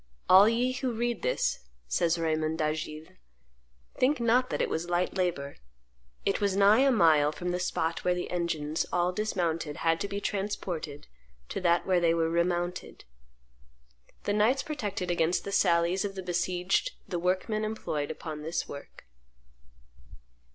"All ye who read this," says Raymond d'Agiles, "think not that it was light labor; it was nigh a mile from the spot where the engines, all dismounted, had to be transported to that where they were remounted." The knights protected against the sallies of the besieged the workmen employed upon this work.